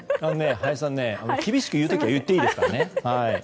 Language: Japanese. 林さん、厳しく言う時は言っていいですからね。